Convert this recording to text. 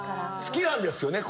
好きなんですよね？